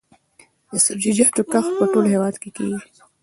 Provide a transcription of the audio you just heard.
د سبزیجاتو کښت په ټول هیواد کې کیږي